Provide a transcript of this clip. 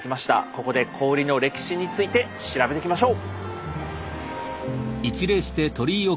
ここで氷の歴史について調べていきましょう！